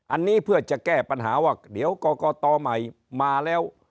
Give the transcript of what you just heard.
อันนี้เพื่อจะแก้ปัญหาว่าเดี๋ยวกรกตใหม่มาแล้ว